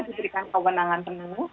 diberikan kewenangan penuh